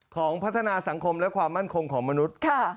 ของพัฒนาสังคมและความมั่นคงของมนุษย์